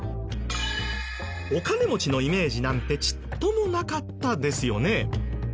お金持ちのイメージなんてちっともなかったですよね。